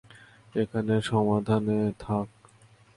এখানে সাবধানে থাক।